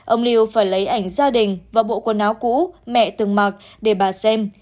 ông liêu phải lấy ảnh gia đình và bộ quần áo cũ mẹ từng mặc để bà xem